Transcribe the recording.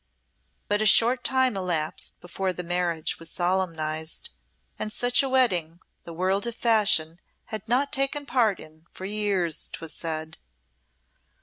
But a short time elapsed before the marriage was solemnised, and such a wedding the world of fashion had not taken part in for years, 'twas said.